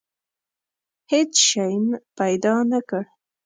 هېڅ شی پیدا نه کړ.